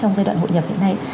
trong giai đoạn hội nhập hiện nay